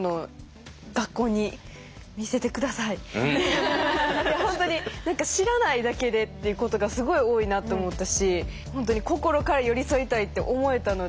いや本当に何か知らないだけでっていうことがすごい多いなって思ったし本当に心から寄り添いたいって思えたので。